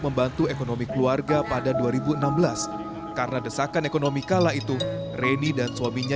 membantu ekonomi keluarga pada dua ribu enam belas karena desakan ekonomi kala itu reni dan suaminya